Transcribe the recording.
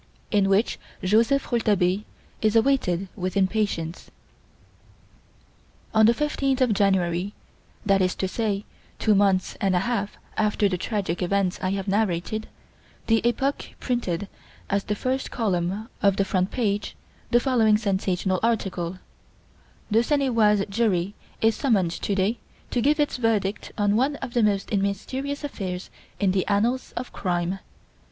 In Which Joseph Rouletabille Is Awaited with Impatience On the 15th of January, that is to say, two months and a half after the tragic events I have narrated, the "Epoque" printed, as the first column of the front page, the following sensational article: "The Seine et Oise jury is summoned to day to give its verdict on one of the most mysterious affairs in the annals of crime.